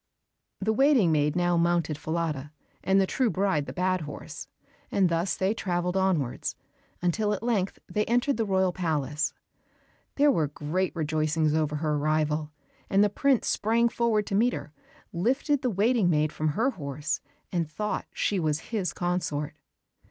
The waiting maid now mounted Falada, and the true bride the bad horse, and thus they traveled onwards, until at length they entered the royal palace. There were great rejoicings over her arrival, and the prince sprang forward to meet her, lifted the waiting maid from her horse, and thought she was his consort.